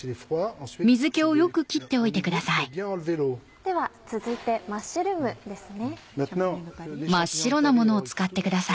では続いてマッシュルームですね。